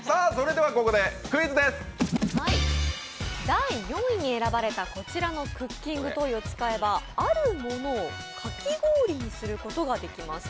第４位に選ばれたこちらのクッキングトイを使えばあるものをかき氷にすることができます。